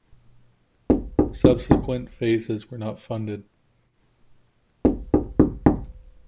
Subsequent phases were not funded.